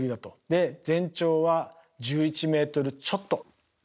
で全長は１１ｍちょっと。